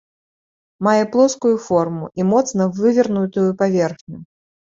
Мае плоскую форму і моцна вывернутую паверхню.